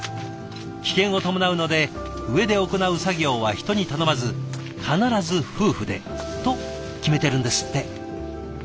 危険を伴うので上で行う作業は人に頼まず必ず夫婦でと決めてるんですって。